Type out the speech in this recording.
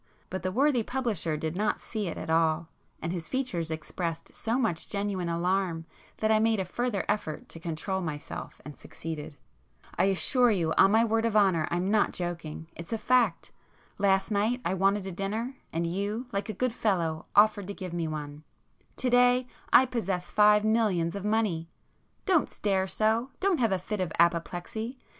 But the worthy publisher did not see it at all—and his features expressed so much genuine alarm that I made a further effort to control myself and succeeded. "I assure you on my word of honour I'm not joking—it's a fact. Last night I wanted a dinner, and you, like a good fellow, offered to give me one,—to day I possess five millions of money! Don't stare so! don't have a fit of apoplexy!